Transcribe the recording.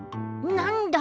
なんだ？